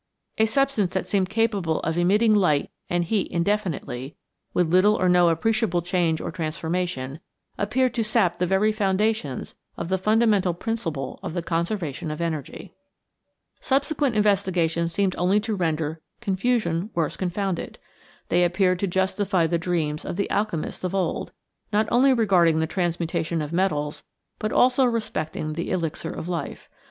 A substance that seemed capable of emitting light and heat indefinitely, with little or no appreciable change or transformation, appeared to sap the very foundations of the fundamental principle of the conservation of energy. Subsequent investigations seemed only to render "confusion worse confounded." They appeared to justify the dreams of the alchemists of old, not only regarding the transmutation of metals but also respecting the elixir of life.